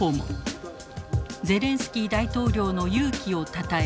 ゼレンスキー大統領の勇気をたたえ